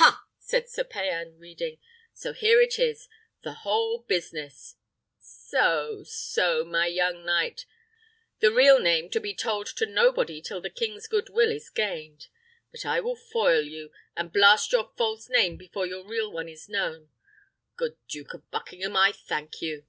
"Ha!" said Sir Payan, reading; "so here it is, the whole business; so, so, my young knight, 'the real name to be told to nobody till the king's good will is gained.' But I will foil you, and blast your false name before your real one is known. Good Duke of Buckingham, I thank you!